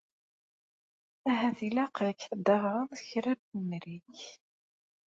Ahat ilaq-ak ad d-taɣeḍ kra n wemrig.